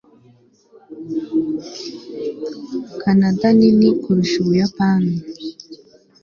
kanada nini kuruta ubuyapani